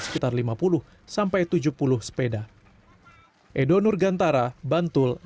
sekitar lima puluh sampai tujuh puluh sepeda